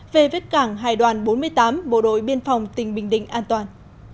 về vết cảng hải đoàn bốn mươi tám bộ đội biên phòng tỉnh bình định an toàn